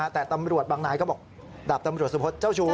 แต่ตำรวจบางนายก็บอกดาบตำรวจสุพธิ์เจ้าชู้